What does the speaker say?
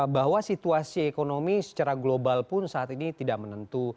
bahwa situasi ekonomi secara global pun saat ini tidak menentu